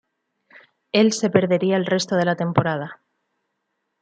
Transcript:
Él se perdería el resto de la temporada.